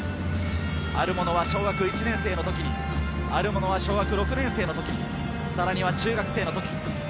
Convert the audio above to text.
あるものは小学１年生のときに、あるものは小学６年生のときに、さらには中学生の時。